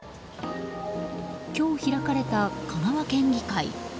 今日、開かれた香川県議会。